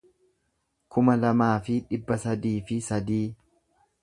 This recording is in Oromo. kuma lamaa fi dhibba sadii fi sadii